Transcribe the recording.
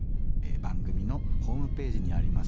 番組のホームページにあります